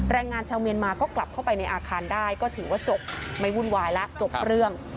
แรงงานชาวเมียนมาก็กลับเข้าไปในอาคารได้ก็ถือว่าจบไม่วุ่นวายแล้วจบเรื่อง